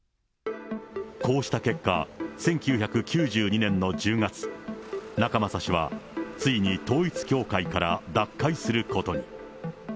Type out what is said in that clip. こうした結果、１９９２年の１０月、仲正氏はついに統一教会から脱会することに。